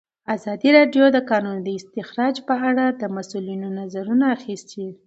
ازادي راډیو د د کانونو استخراج په اړه د مسؤلینو نظرونه اخیستي.